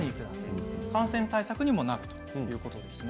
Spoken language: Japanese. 感染対策にもなるということです。